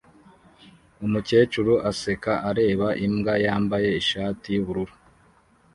Umukecuru aseka areba imbwa yambaye ishati yubururu